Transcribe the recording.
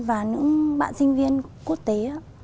và những bạn sinh viên quốc tế